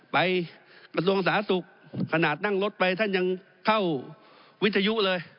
กระทรวงสาธารณสุขขนาดนั่งรถไปท่านยังเข้าวิทยุเลย